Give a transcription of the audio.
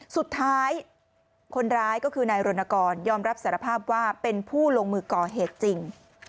สุดท้ายคนร้ายก็คือนายรณกรยอมรับสารภาพว่าเป็นผู้ลงมือก่อเหตุจริง